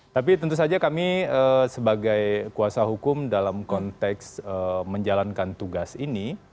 tapi tentu saja kami sebagai kuasa hukum dalam konteks menjalankan tugas ini